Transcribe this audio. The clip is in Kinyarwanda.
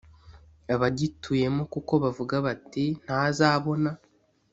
abagituyemo kuko bavuga bati ntazabona